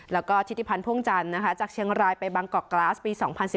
แล้วก็ทิติพันธ์พ่วงจันทร์จากเชียงรายไปบางกอกกราศปี๒๐๑๙